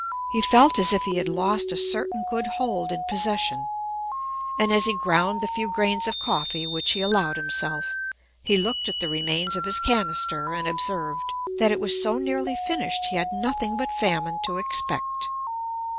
He felt as if he had lost a certain good hold in possession; and as he ground the few grains of coffee which he allowed himself, he looked at the remains of his canister, and observed, "that it was so nearly finished he had nothing but famine to expect."